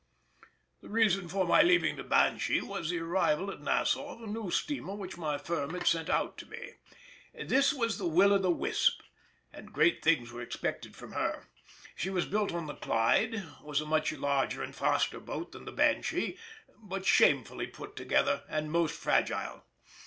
The reason for my leaving the Banshee was the arrival at Nassau of a new steamer which my firm had sent out to me. This was the Will o' the Wisp, and great things were expected from her. She was built on the Clyde, was a much larger and faster boat than the Banshee, but shamefully put together, and most fragile.